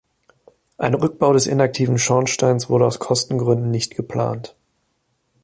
Ein Rückbau des inaktiven Schornsteins wurde aus Kostengründen nicht geplant.